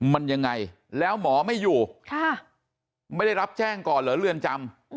มันยังไงแล้วหมอไม่อยู่ไม่ได้รับแจ้งก่อนเหรอเรือนจำ